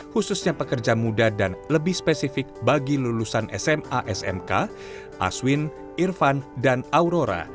khususnya pekerja muda dan lebih spesifik bagi lulusan sma smk aswin irfan dan aurora